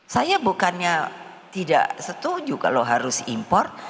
saya bukannya tidak setuju kalau harus import